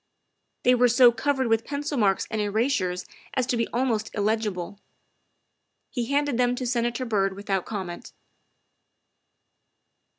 They were so covered with pencil marks and erasures as to be almost illegible. He handed them to Senator Byrd without comment.